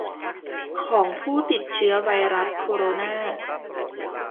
ของผู้ติดเชื้อไวรัสโคโรนา